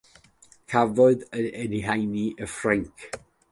Cafodd ei eni yn Ffrainc.